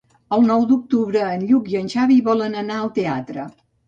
El nou d'octubre en Lluc i en Xavi volen anar al teatre.